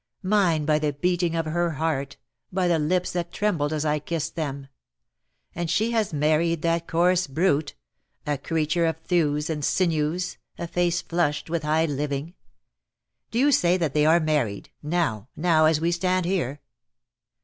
Mine by the beating of her heart, by the lips that trembled as I kissed them. And she has married that coarse brute — a creature of thews and sinews, a face flushed with high living. Do you say that they are married — now, now, as we stand here?"